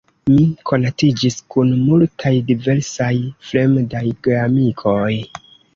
Mi konatiĝis kun multaj diversaj fremdaj geamikoj.